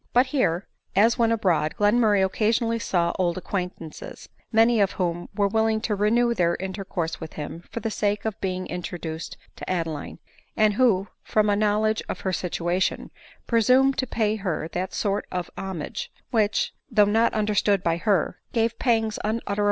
But here, as when abroad, Glenmurray occasionally saw old acquaintances, many of whom were willing to renew their intercourse with him for the sake of being introduced to Adeline; and who, from a knowledge of her situation, presumed to pay her that sort of homage, which, though not understood by her, gave pangs unutter 12* 134 ADELINE MftWBgAY.